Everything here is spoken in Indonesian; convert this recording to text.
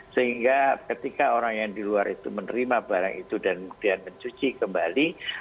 sehingga ketika orang yang di luar itu menerima barang itu dan kemudian mencuci kembali